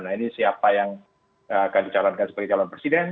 nah ini siapa yang akan dicalonkan sebagai calon presiden